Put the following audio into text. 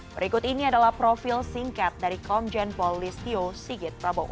berikut ini adalah profil singkat dari komjen pol listio sigit prabowo